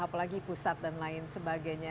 apalagi pusat dan lain sebagainya